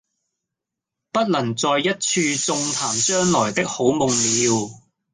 不能在一處縱談將來的好夢了，